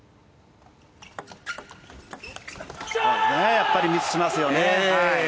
やっぱりミスしますよね。